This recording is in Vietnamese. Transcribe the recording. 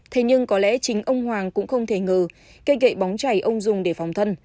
thế nhưng có lẽ chính ông hoàng cũng không thể ngờ cây gậy bóng chảy ông dùng để phòng thân